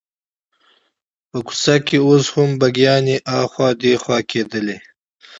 په کوڅه کې اوس هم بګیانې اخوا دیخوا کېدلې.